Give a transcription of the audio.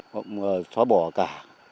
không xóa bỏ cả